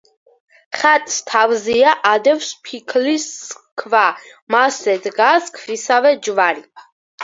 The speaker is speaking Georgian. ხატს თავზეა ადევს ფიქლის ქვა, მასზე დგას ქვისავე ჯვარი.